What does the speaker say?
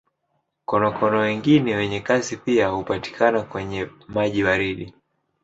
Konokono wengine wengi kiasi pia hupatikana kwenye maji baridi.